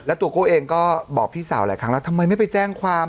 แล้วตัวโก้เองก็บอกพี่สาวหลายครั้งแล้วทำไมไม่ไปแจ้งความ